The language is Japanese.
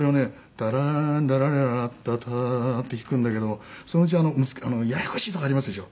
「タラーンラララララッタター」って弾くんだけどもそのうちややこしいとこありますでしょ？